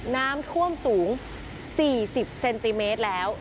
น้ำท่วมสูง๔๐เซนติเมตรแล้ว